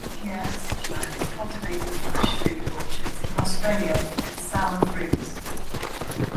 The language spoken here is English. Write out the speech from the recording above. Acronychia acidula is cultivated in bush food orchards in Australia for its sour fruits.